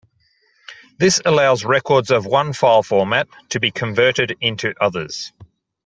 This allows records of one file format to be converted into others.